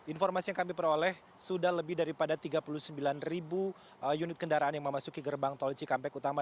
informasi yang kami peroleh sudah lebih daripada tiga puluh sembilan ribu unit kendaraan yang memasuki gerbang tol cikampek utama